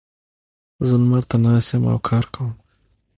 زه لمر ته ناست یم او کار کوم.